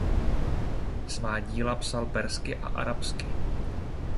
Svá díla psal persky a arabsky.